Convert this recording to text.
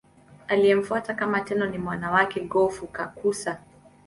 Aliyemfuata kama Tenno ni mwana wake Go-Fukakusa.